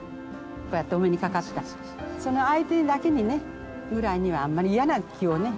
こうやってお目にかかったその相手だけにねぐらいにはあんまり嫌な気をね